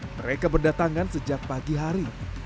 mereka berdatangan sejak pagi hari